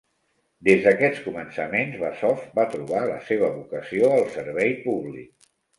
Des d'aquests començaments, Bazhov va trobar la seva vocació al servei públic.